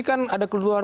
kan ada keluar